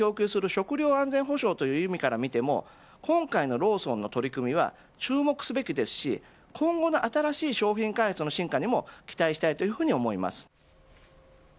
食料安全保障という意味から見ても今回のローソンの取り組みは注目すべきですし今後の新しい商品開発の進化にも期待したいと思います。